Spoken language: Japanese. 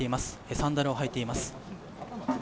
サンダルを履いています。